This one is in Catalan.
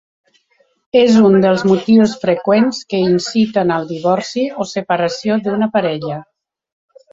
És un dels motius freqüents que inciten al divorci o separació d'una parella.